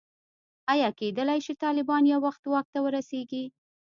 ایا کېدلای شي طالبان یو وخت واک ته ورسېږي.